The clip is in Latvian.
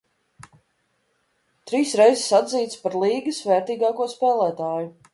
Trīs reizes atzīts par līgas vērtīgāko spēlētāju.